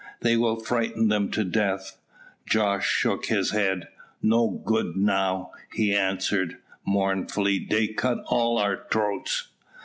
They will frighten them to death." Jos shook his head. "No good, now," he answered, mournfully; "dey cut all our troats."